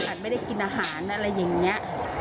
ไม่ได้กินอาหารอะไรอย่างนี้